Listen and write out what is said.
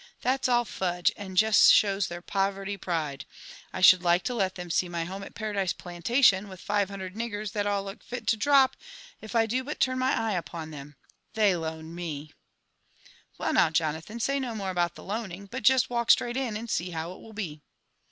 That's all fudge, and jest shows their poverty pride : I should like to let them see my home at Paradise Plantation, with five hundred nig gers that all look fit to drop it I do but turn my eye upon 'em. They loan me 1 "" Well, now, Jonathan, say no more about the loaning ; but jest walk straight in, and see how it will be."